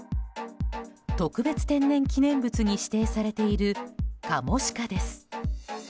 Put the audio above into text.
特別天然記念物に指定されているカモシカです。